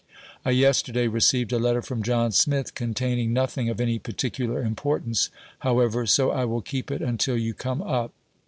I yesterday received a letter from John Smith, containing nothing of any particular importance, however, so I will keep it until you come up.